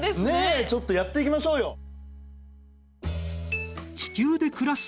ねえちょっとやっていきましょうよ。